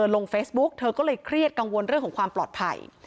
ลงเฟซบุ๊กเธอก็เลยเครียดกังวลเรื่องของความปลอดภัย